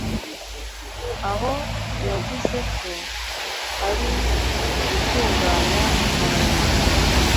aho yavuze ko ari gutunganya inkoranyamagambo